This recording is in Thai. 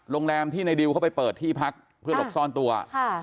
โรงแรมที่ในดิวเขาไปเปิดที่พักเพื่อหลบซ่อนตัว